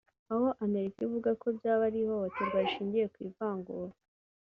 aho Amerika ivuga ko byaba ari ihohoterwa rishingiye ku ivangura